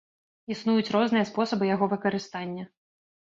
Існуюць розныя спосабы яго выкарыстання.